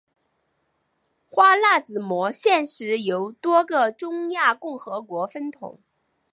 花剌子模现时由多个中亚共和国分统。